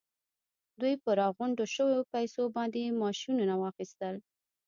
دوی په راغونډو شويو پیسو باندې ماشينونه واخيستل.